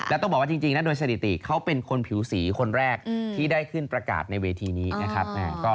แล้วต้องบอกว่าจริงนะโดยสถิติเขาเป็นคนผิวสีคนแรกที่ได้ขึ้นประกาศในเวทีนี้นะครับ